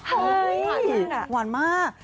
เฮ่ยหวานมาก